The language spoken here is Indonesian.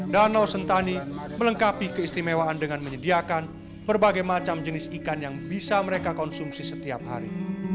danau sentani melengkapi keistimewaan dengan menyediakan berbagai macam jenis ikan yang bisa mereka konsumsi setiap hari